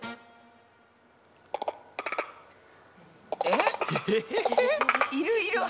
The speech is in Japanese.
えっ！